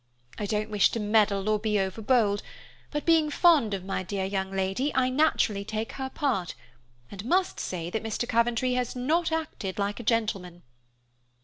I don't wish to meddle or be overbold, but being fond of my dear young lady, I naturally take her part, and must say that Mr. Coventry has not acted like a gentleman."